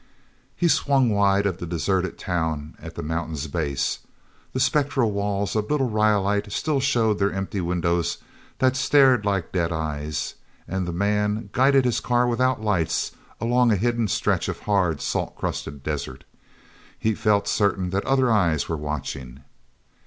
He swung wide of the deserted town at the mountain's base. The spectral walls of Little Rhyolite still showed their empty windows that stared like dead eyes, and the man guided his car without lights along a hidden stretch of hard, salt crusted desert. He felt certain that other eyes were watching.